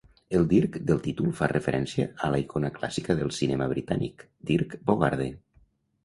El "Dirk" del títol fa referència a la icona clàssica del cinema britànic, Dirk Bogarde.